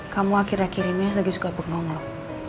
kamu akhir akhir ini lagi suka bernongok